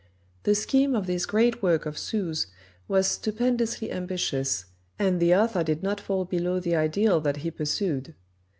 The scheme of this great work of Sue's was stupendously ambitious and the author did not fall below the ideal that he pursued.